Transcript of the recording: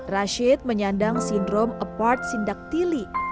rashid menyandang sindrom apart sindaktili